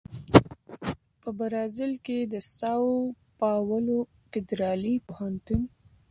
په برازیل کې د ساو پاولو فدرالي پوهنتون